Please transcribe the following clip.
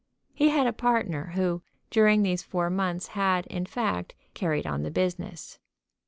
He had a partner, who during these four months had, in fact, carried on the business.